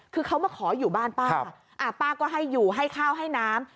คือเขามาขออยู่บ้านป้าป้าก็ให้อยู่ให้ข้าวให้น้ำ